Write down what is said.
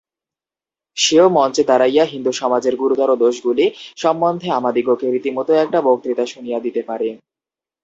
সেও মঞ্চে দাঁড়াইয়া হিন্দুসমাজের গুরুতর দোষগুলি সম্বন্ধে আমাদিগকে রীতিমত একটি বক্তৃতা শুনিয়া দিতে পারে।